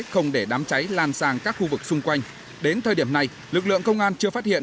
không để đám cháy lan sang các khu vực xung quanh đến thời điểm này lực lượng công an chưa phát hiện